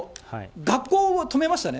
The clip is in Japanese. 学校を止めましたね。